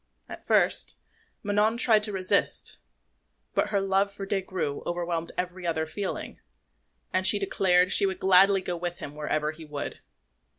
At first, Manon tried to resist; but her love for Des Grieux overwhelmed every other feeling, and she declared she would gladly go with him wherever he would.